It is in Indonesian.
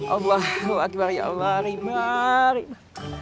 allah ya allah rimba rimba